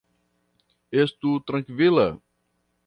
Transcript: Estu trankvila.